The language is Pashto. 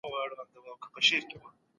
پوهه د انسان سترګې غړوي.